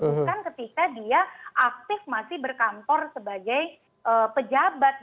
bukan ketika dia aktif masih berkantor sebagai pejabat